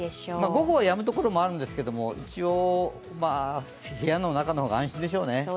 午後はやむ所もあるんですけど、一応、部屋の中の方が安心でしょうね。